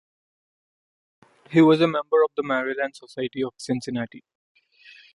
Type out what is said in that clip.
He was a member of the Maryland Society of the Cincinnati.